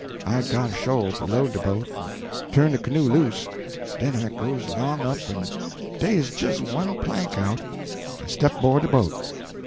I got asho' below de boat and turn' de canoe loose, den I goes 'long up, en dey 'uz jes one plank out, en I step' 'board de boat.